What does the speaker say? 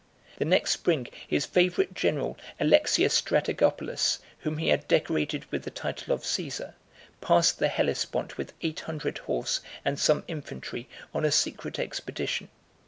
The next spring, his favorite general, Alexius Strategopulus, whom he had decorated with the title of Cæsar, passed the Hellespont with eight hundred horse and some infantry, 58 on a secret expedition.